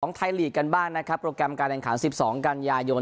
ไทยลีกกันบ้างนะครับโปรแกรมการแข่งขัน๑๒กันยายน